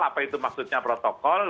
apa itu maksudnya protokol